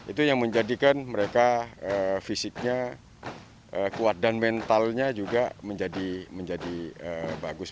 itu yang menjadikan mereka fisiknya kuat dan mentalnya juga menjadi bagus